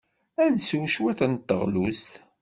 Ad nsew cwiṭ n teɣlust?